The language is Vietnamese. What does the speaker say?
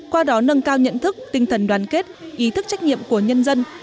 qua đó nâng cao nhận thức tinh thần đoàn kết ý thức trách nhiệm của nhân dân